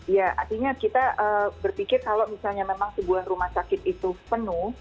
ya artinya kita berpikir kalau misalnya memang sebuah rumah sakit itu penuh